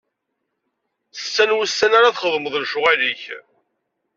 Setta n wussan ara txeddmeḍ lecɣal-ik.